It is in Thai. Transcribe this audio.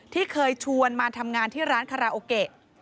ที่เคยชวนมาทำงานที่ร้านคาราโอเกะ